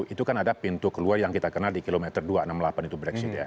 itu kan ada pintu keluar yang kita kenal di kilometer dua ratus enam puluh delapan itu brexit ya